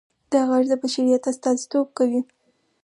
دا غږ د بشریت استازیتوب کوي.